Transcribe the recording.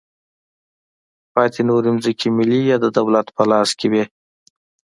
پاتې نورې ځمکې ملي یا د دولت په لاس کې وې.